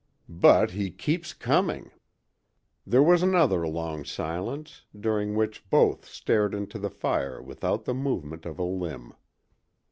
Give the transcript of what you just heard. "But he keeps coming!" There was another long silence, during which both stared into the fire without the movement of a limb.